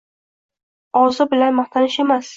Ozi bilan maqtanish emas.